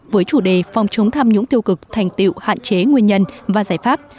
với chủ đề phòng chống tham nhũng tiêu cực thành tiệu hạn chế nguyên nhân và giải pháp